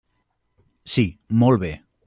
Sí, molt bé.